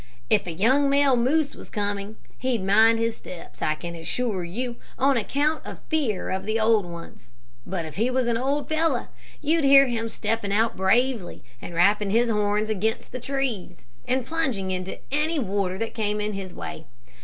If a young male moose was coming, he'd mind his steps, I can assure you, on account of fear of the old ones, but if it was an old fellow, you'd hear him stepping out bravely and rapping his horns against the trees, and plunging into any water that came in his way.